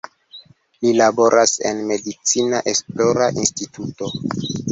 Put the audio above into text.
Li laboras en medicina esplora instituto.